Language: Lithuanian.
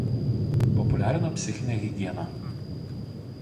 Populiarino psichinę higieną.